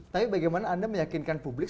tapi bagaimana anda meyakinkan publik